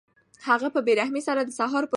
وخت په بې رحمۍ سره د سهار په لور روان و.